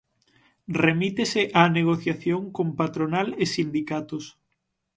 Remítese á negociación con patronal e sindicatos.